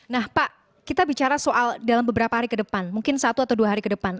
nah pak kita bicara soal dalam beberapa hari ke depan mungkin satu atau dua hari ke depan